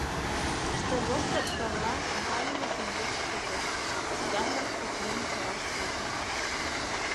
Ӱштервоштыр-Карлан компанийже шеҥгеч шӱкыш, чыган-влак кыртмен чараш тӧчышт.